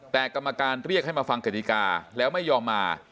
แต่กรรมการเรียกให้มาฟังกฎิกาแล้วไม่ยอมมา